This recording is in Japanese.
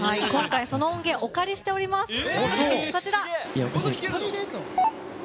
今回その音源をお借りしています。